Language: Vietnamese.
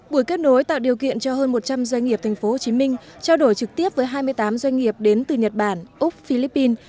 buổi kết nối tạo điều kiện cho hơn một trăm linh doanh nghiệp tp hcm trao đổi trực tiếp với hai mươi tám doanh nghiệp đến từ nhật bản úc philippines